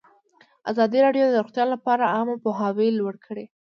ازادي راډیو د روغتیا لپاره عامه پوهاوي لوړ کړی.